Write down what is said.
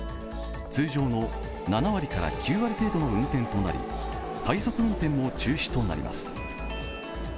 通常の７割から９割程度の運転となり、快速運転も中止となります。